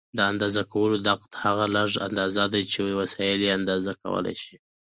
د اندازه کولو دقت هغه لږه اندازه ده چې وسایل یې اندازه کولای شي.